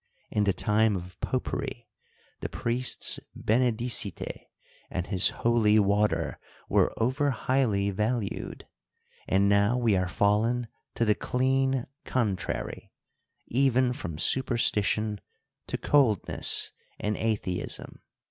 — In the time of popery, the priest's henedicite and his holy water were over highly valued ; and now we are fallen to the clean contrary ; even from superstition to coldness and atheism.